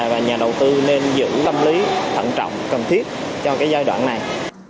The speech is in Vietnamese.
và nhà đầu tư nên giữ tâm lý thận trọng cần thiết cho cái giai đoạn này